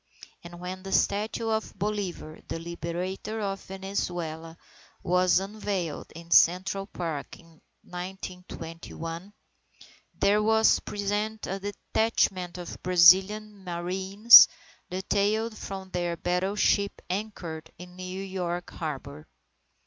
And when the statue of Bolivar, the Liberator of Venezuela, was unveiled in Central Park in 1921, there was present a detachment of Brazilian Marines detailed from their battleship anchored in New York Harbour.